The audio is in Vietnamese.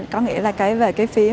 có nghĩa là cái về